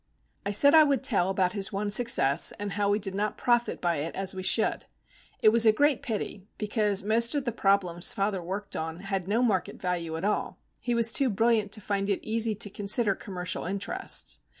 I said I would tell about his one success, and how we did not profit by it as we should. It was a great pity, because most of the problems father worked on had no market value at all:—he was too brilliant to find it easy to consider commercial interests.